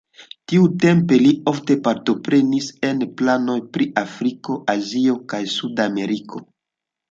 Tiutempe li ofte partoprenis en planoj pri Afriko, Azio kaj Sud-Ameriko.